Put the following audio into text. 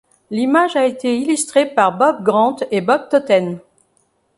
L'image a été illustrée par Bob Grant et Bob Totten.